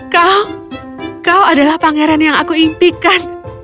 kau kau adalah pangeran yang aku impikan